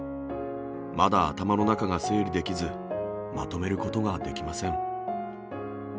まだ頭の中が整理できず、まとめることができません。